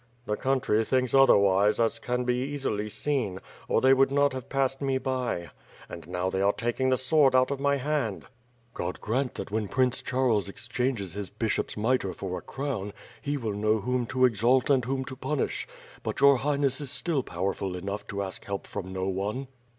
"The country thinks otherwise, as can be easily seen; or they would not have passed me by. And now, they are taking the sword out of my hand." "God grant that when Prince Charles exchanges his bishop's mitre for a crown, he will know whom to exalt and whom to punish. But your Hnghness is still powerful enough to ask help from no one."